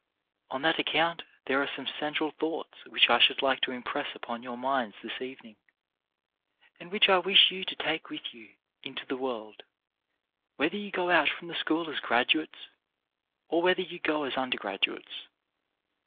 On that account there are some central thoughts which I should like to impress upon your minds this evening, and which I wish you to take with you into the world, whether you go out from the school as graduates or whether you go as under graduates.